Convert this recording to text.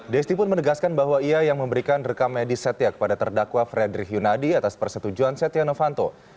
desti pun menegaskan bahwa ia yang memberikan rekam medis setia kepada terdakwa frederick yunadi atas persetujuan setia novanto